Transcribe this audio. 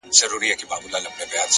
علم د ذهن ظرفیت لوړوي.!